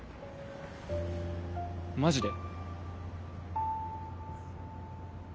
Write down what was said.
マジで？